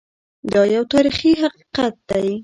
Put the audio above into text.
دا یو تاریخي حقیقت دی.